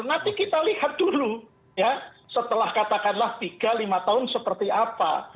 nanti kita lihat dulu ya setelah katakanlah tiga lima tahun seperti apa